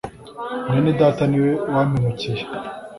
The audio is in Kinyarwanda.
Mwene data niwe wampemukiye.